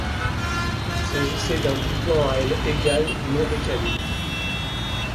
Il s’agissait d’un biplan à ailes égales non décalées.